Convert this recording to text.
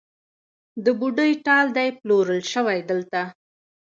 د بوډۍ ټال دی پلورل شوی دلته